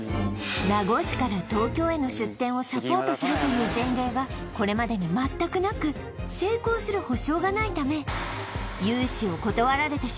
名護市から東京への出店をサポートするという前例がこれまでに全くなく成功する保証がないためまあ